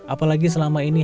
apa lagi selama ini